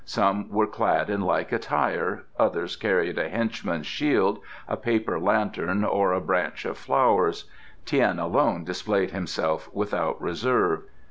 Some were clad in like attire, others carried a henchman's shield, a paper lantern or a branch of flowers; Tian alone displayed himself without reserve.